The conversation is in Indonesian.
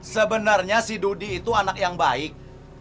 sebenarnya si dodi itu anak yang baik